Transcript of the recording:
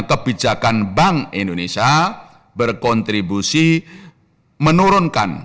kebijakan bank indonesia berkontribusi menurunkan